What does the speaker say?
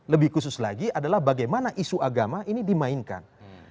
lebih khusus lagi adalah bagaimana isu agama ini dimainkan